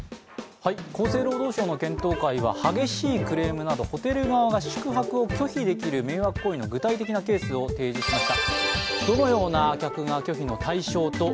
厚生労働省の検討会は激しいクレームなどホテル側が宿泊を拒否できる迷惑行為の具体的なケースを提示しました。